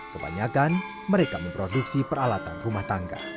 kebanyakan mereka memproduksi peralatan rumah tangga